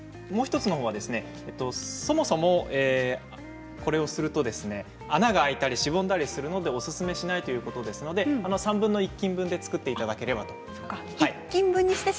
もう１つは、これをすると穴が開いたりしぼんだりするのでおすすめしないということですので３分の１斤分で作っていただければということでした。